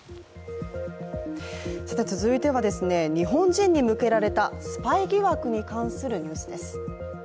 続いては日本人に向けられたスパイ疑惑に関するニュースです。